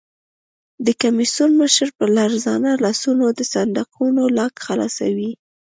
د کمېسیون مشر په لړزانه لاسونو د صندوقونو لاک خلاصوي.